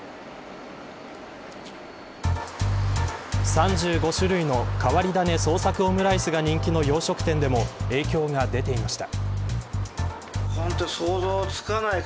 ３５種類の変わり種創作オムライスが人気の洋食店でも影響が出ていました。